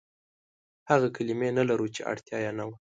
هغه کلمې نه لرو، چې اړتيا يې نه وه.